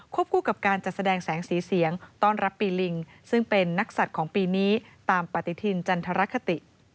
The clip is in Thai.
คู่กับการจัดแสดงแสงสีเสียงต้อนรับปีลิงซึ่งเป็นนักศัตริย์ของปีนี้ตามปฏิทินจันทรคติ